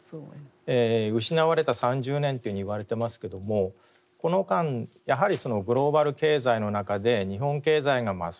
「失われた３０年」というふうに言われてますけどもこの間やはりグローバル経済の中で日本経済が沈降してきたと。